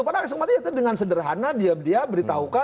padahal maksudnya itu dengan sederhana dia beritahu kan